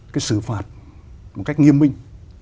cái xử phạt một cách nghiêm minh